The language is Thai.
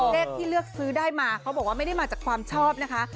เลขที่เลือกซื้อได้มาเขาบอกว่าไม่ได้มาจากความชอบนะคะ